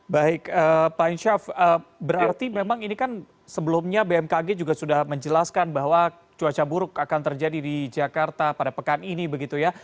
baik pak insyaf berarti memang ini kan sebelumnya bmkg juga sudah menjelaskan bahwa cuaca buruk akan terjadi di jakarta pada pekan ini begitu ya